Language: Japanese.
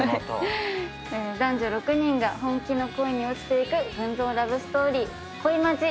男女６人が本気の恋に落ちていく群像ラブストーリー『恋マジ』